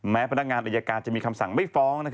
พนักงานอายการจะมีคำสั่งไม่ฟ้อง